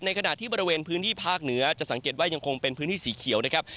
ขณะที่บริเวณพื้นที่ภาคเหนือจะสังเกตว่ายังคงเป็นพื้นที่สีเขียวนะครับ